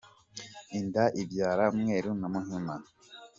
Inda ibyara mweru na muhima !